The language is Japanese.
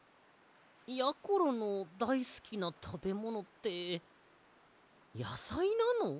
やころのだいすきなたべものってやさいなの？